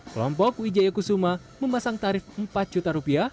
kelompok wijaya kusuma memasang tarif rp empat juta